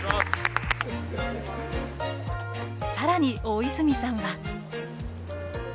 更に大泉さんは。